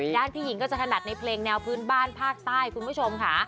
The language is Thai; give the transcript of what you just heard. พี่หญิงก็จะถนัดในเพลงแนวพื้นบ้านภาคใต้คุณผู้ชมค่ะ